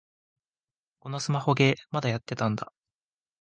このスマホゲー、まだやってたんだ